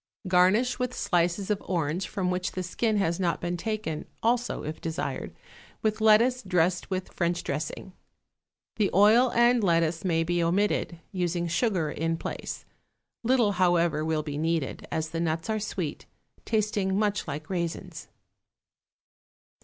Garnish with slices of orange from which the skin has not been taken, also, if desired, with lettuce dressed with French dressing. The oil and lettuce may be omitted, using sugar in place; little, however, will be needed, as the nuts are sweet, tasting much like raisins.